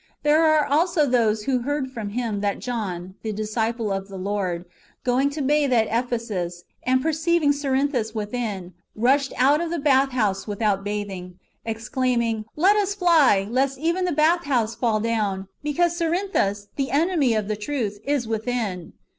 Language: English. ^ There are also those who heard from him that John, the disciple of the Lord, going to bathe at Ephesus, and perceiving Cerinthus within, rushed out of the bath house without bathing, exclaiming, "Let us fly, lest even the bath house fall down, because Cerinthus, the enemy of the truth, is within."